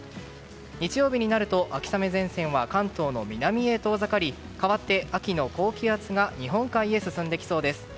日曜日になると秋雨前線は関東の南へ遠ざかり代わって、秋の高気圧が日本海へ進んできそうです。